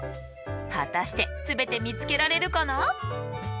果たして全て見つけられるかな？